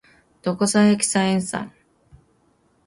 ドコサヘキサエン酸